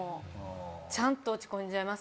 ちゃんと落ち込んじゃいます。